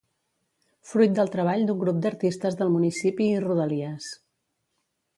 fruit del treball d'un grup d'artistes del municipi i rodalies